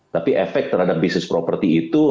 tapi efek terhadap bisnis properti itu